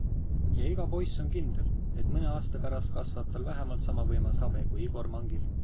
Ja iga poiss on kindel, et mõne aasta pärast kasvab tal vähemalt sama võimas habe kui Igor Mangil.